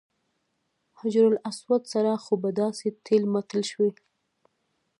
حجر اسود سره خو به داسې ټېل ماټېل شو.